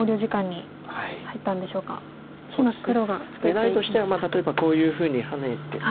狙いとしては例えばこういうふうにハネて。